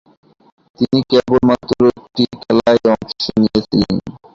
তিনি কেবলমাত্র একটি খেলায় অংশ নিয়েছিলেন।